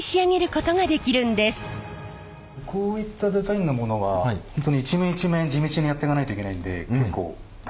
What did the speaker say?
こういったデザインのものは本当に一面一面地道にやってかないといけないんで結構大変なんですよね。